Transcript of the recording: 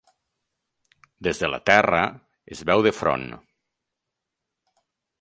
Des de la Terra es veu de front.